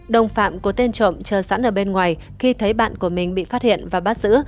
đồng phạm có tên trộm chờ sẵn ở bên ngoài khi thấy bạn của mình bị phát hiện và bắt giữ